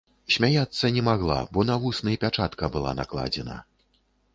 Смяяцца не магла, бо на вусны пячатка была накладзена.